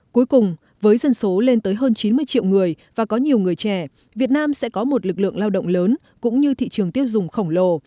cuối cùng với dân số lên tới hơn chín mươi triệu người và có nhiều người trẻ việt nam sẽ có một lực lượng lao động lớn cũng như thị trường tiêu dùng khổng lồ